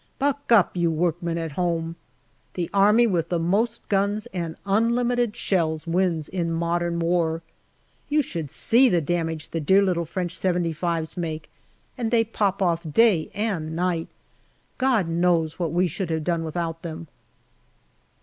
Buck up! you workmen at home. The army with the most guns and unlimited shells wins in modern war. You should see the damage the dear little French " 75*3 " make, and they pop off day and night. God knows what we should have done without them.